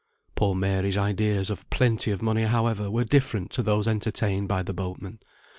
Poor Mary's ideas of "plenty of money," however, were different to those entertained by the boatmen.